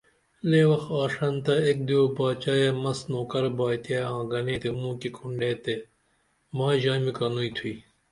لے وخ آشنتہ ایک دیو باچائے مس نوکر بائیتے آں گنے تے موکی کُھنڈے تے مائی ژامی کنوئی تھوئی